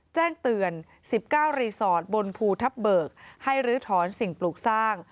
แจ้งเตือน๑๙รีสอร์ทบนภูทับเบิกให้ลื้อถอนสิ่งปลูกสร้าง